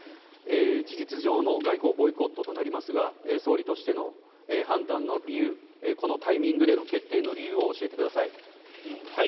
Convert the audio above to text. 事実上の外交ボイコットとなりますが、総理としての判断の理由、このタイミングでの決定の理由を教えてください。